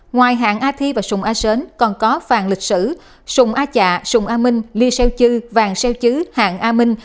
ngoài hạng a thi và sùng a sến còn có phàng lịch sử sùng a trạ sùng a minh ly seo chư vàng seo chứ hạng a minh